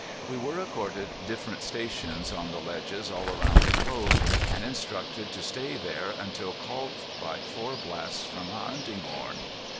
We were accorded different stations on the ledges all around the cove, and instructed to stay there until called by four blasts from a hunting horn.